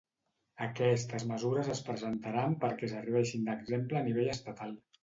Aquestes mesures es presentaran perquè serveixin d‟exemple a nivell estatal.